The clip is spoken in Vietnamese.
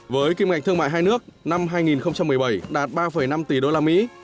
với kim ngạch thương mại hai nước năm hai nghìn một mươi bảy đạt ba năm tỷ usd